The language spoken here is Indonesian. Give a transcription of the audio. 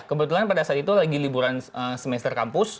kebetulan pada saat itu lagi liburan semester kampus